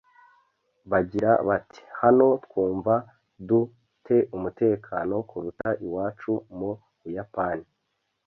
bagira bati hano twumva du te umutekano kuruta iwacu mu buyapani